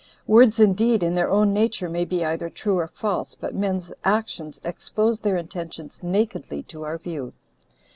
Words indeed, in their own nature, may be either true or false, but men's actions expose their intentions nakedly to our view.